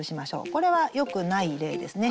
これはよくない例ですね。